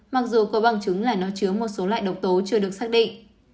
mặc dù có bằng chứng là nó chứa một số loại độc tố chưa được xác định